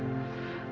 gak apa apa ya bu